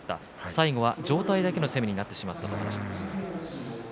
最後は上体だけになってしまったと話していました。